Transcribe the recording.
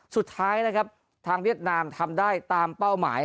สุดท้ายนะครับทางเวียดนามทำได้ตามเป้าหมาย